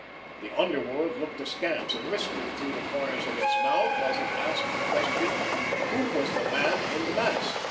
The underworld looked askance and whispered through the corners of its mouth as it asked the question: Who was the man in the mask?